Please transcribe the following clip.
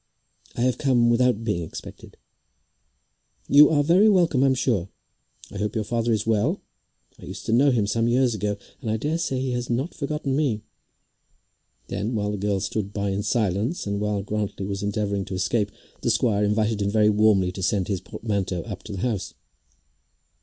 "I have come without being expected." "You are very welcome, I'm sure. I hope your father is well? I used to know him some years ago, and I daresay he has not forgotten me." Then, while the girls stood by in silence, and while Grantly was endeavouring to escape, the squire invited him very warmly to send his portmanteau up to the house.